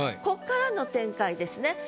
こっからの展開ですね。